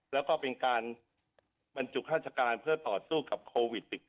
แล้วก็เป็นการบรรจุราชการเพื่อต่อสู้กับโควิด๑๙